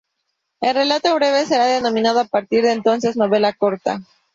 El relato breve será denominado a partir de entonces novela corta.